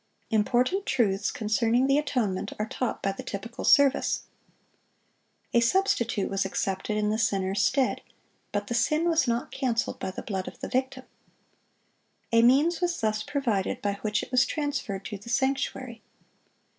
Important truths concerning the atonement are taught by the typical service. A substitute was accepted in the sinner's stead; but the sin was not canceled by the blood of the victim. A means was thus provided by which it was transferred to the sanctuary.